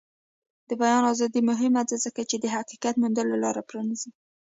د بیان ازادي مهمه ده ځکه چې د حقیقت موندلو لاره پرانیزي.